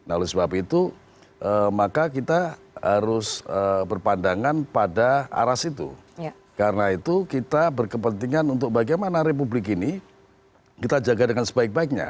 nah oleh sebab itu maka kita harus berpandangan pada aras itu karena itu kita berkepentingan untuk bagaimana republik ini kita jaga dengan sebaik baiknya